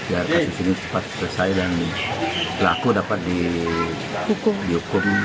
biar kasus ini cepat selesai dan pelaku dapat dihukum